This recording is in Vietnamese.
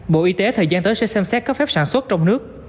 bộ y tế thời gian tới sẽ xem xét cấp phép sản xuất trong nước